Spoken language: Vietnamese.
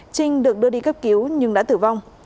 trinh được đưa đi cấp cứu nhưng đã tử vong